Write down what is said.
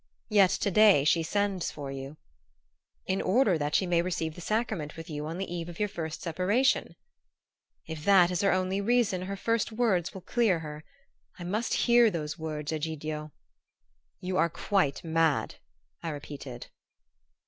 "Yet to day she sends for you " "In order that she may receive the sacrament with you on the eve of your first separation." "If that is her only reason her first words will clear her. I must hear those words, Egidio!" "You are quite mad," I repeated.